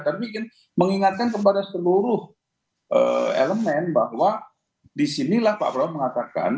tapi ingin mengingatkan kepada seluruh elemen bahwa disinilah pak prabowo mengatakan